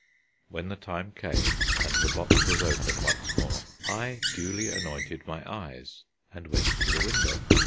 When the time came and the box was open once more, I duly anointed my eyes and went to the window.